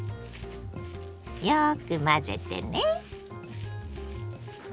よく混ぜてね。